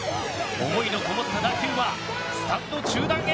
思いのこもった打球はスタンド中段へ。